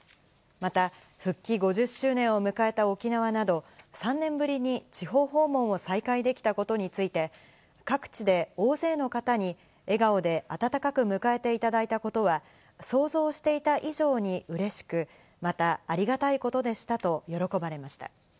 また、復帰５０周年を迎えた沖縄など、３年ぶりに地方訪問を再開できたことについて、各地で大勢の方に笑顔で温かく迎えていただいたことは、想像していた以上にうれしく、また、ありがたいことでしたと喜ばれました。